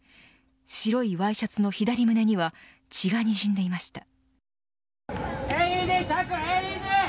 白いワイシャツの左胸には血がにじんでいました。